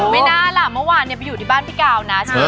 ไม่น่าล่ะเมื่อวานไปอยู่ที่บ้านพี่กาวนะ